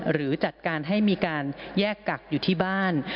หรือจัดการให้มีการแยกกักอยู่ที่บ้าน